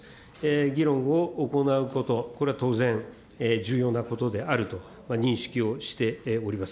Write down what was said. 議論を行うこと、これは当然重要なことであると認識をしております。